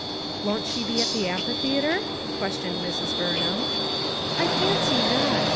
" Won't she be at the amphitheater?" ques tioned Mrs. Burnham. "I fancy not.